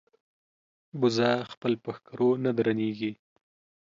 بزه خپل په ښکرو نه درنېږي.